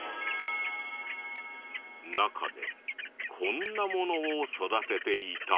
中でこんなものを育てていた。